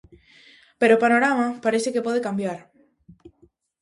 Pero o panorama parece que pode cambiar.